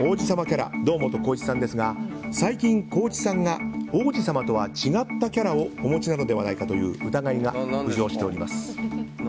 キャラ堂本光一さんですが最近、光一さんが王子様とは違ったキャラをお持ちなのではないかという疑いが浮上しております。